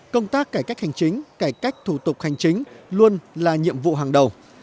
công tác cải cách hành chính cải cách thủ tục hành chính luôn là nhiệm vụ hàng đầu